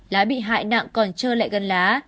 lá bị hại nặng còn trơ lại gân lá